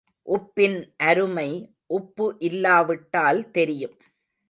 உப்பின் அருமை உப்பு இல்லாவிட்டால் தெரியும்.